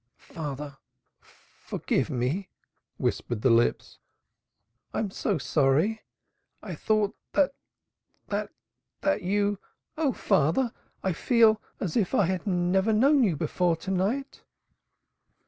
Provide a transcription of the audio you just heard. "Father, forgive me," whispered the lips. "I am so sorry. I thought, that that I that you oh father, father! I feel as if I had never known you before to night."